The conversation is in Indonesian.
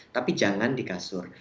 tapi jangan di kasur